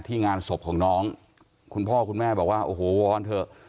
งานศพของน้องคุณพ่อคุณแม่บอกว่าโอ้โหวอนเถอะ